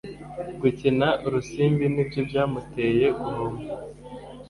Gukina urusimbi nibyo byamuteye guhomba